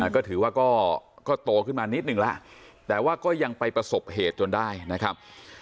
ก็ถือว่าก็โตขึ้นมานิดนึงแล้วแต่ว่าก็ยังไปประสบเหตุจนได้นะครับ